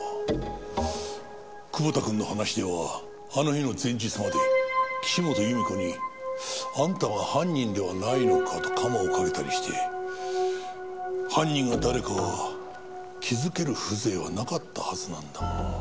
久保田くんの話ではあの日の前日まで岸本由美子にあんたは犯人ではないのかとカマをかけたりして犯人が誰かは気づける風情はなかったはずなんだが。